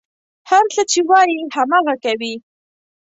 هر څه چې وايي، هماغه کوي.